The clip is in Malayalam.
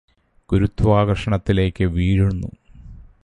ഗുരുത്വാകര്ഷണത്തിലേയ്ക് വീഴുന്നു